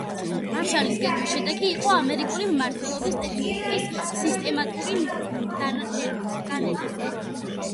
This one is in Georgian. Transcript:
მარშალის გეგმის შედეგი იყო ამერიკული მმართველობის ტექნიკის სისტემატური დანერგვა.